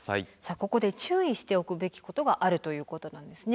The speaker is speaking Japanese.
ここで注意しておくべきことがあるということなんですね。